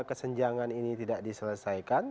kesenjangan ini tidak diselesaikan